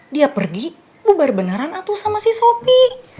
dia pergi bubar benaran atu sama si sopi